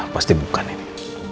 pasti bukan ini